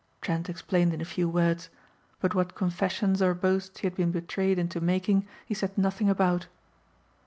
Trent explained in a few words. But what confessions or boasts he had been betrayed into making he said nothing about.